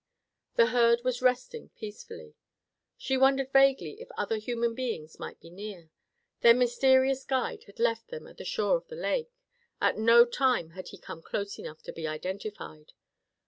The herd was resting peacefully. She wondered vaguely if other human beings might be near. Their mysterious guide had left them at the shore of the lake. At no time had he come close enough to be identified.